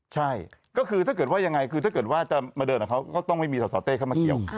ใช่คือถ้าจะมาเดินกับเขาก็ไม่มีสตเต้เข้ามาเกี่ยว